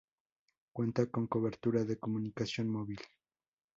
Cuenta con cobertura de comunicación móvil.